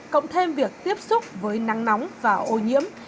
cộng thêm việc tiếp xúc với nắng nóng và ô nhiễm